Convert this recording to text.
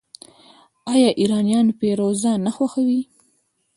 آیا ایرانیان فیروزه نه خوښوي؟